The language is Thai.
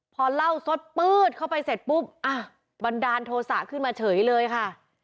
พอเล่าสดปื๊ดเข้าไปเสร็จปุ๊บอ่ะบันดาลโทษะขึ้นมาเฉยเลยค่ะ